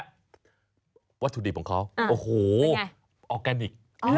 วัตถุดิบของเขาโอ้โหออร์แกนิค